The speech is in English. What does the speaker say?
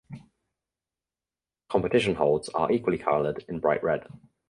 Competition holds are equally coloured in bright red.